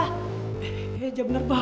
eh aja bener baik